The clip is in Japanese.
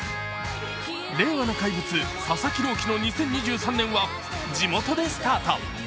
令和の怪物、佐々木朗希投手の２０２３年は地元でスタート。